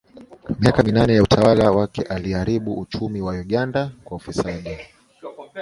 Miaka minane ya utawala wake aliharibu uchumi wa Uganda kwa ufisadi